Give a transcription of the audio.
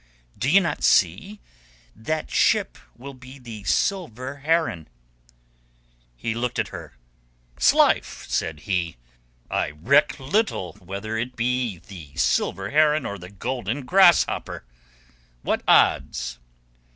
"D'ye not see? That ship will be the Silver Heron." He looked at her. "'S life!" said he, "I reck little whether it be the silver heron or the golden grasshopper. What odds?"